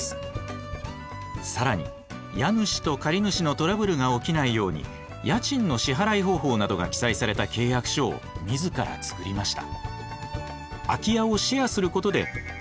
更に家主と借主のトラブルが起きないように家賃の支払い方法などが記載された契約書を自ら作りました。